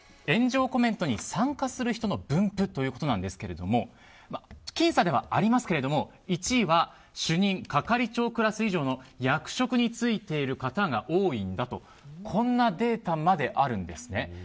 炎上コメントに参加する人の分布ということですが僅差ではありますが１位は主任・係長クラス以上の役職に就いている方が多いんだとこんなデータまであるんです。